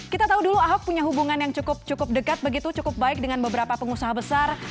kita tahu dulu ahok punya hubungan yang cukup dekat begitu cukup baik dengan beberapa pengusaha besar